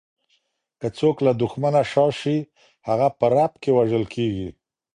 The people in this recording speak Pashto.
که څوک له دښمنه شا شي، هغه په رپ کې وژل کیږي.